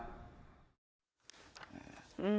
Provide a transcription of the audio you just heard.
ขอบคุณครับ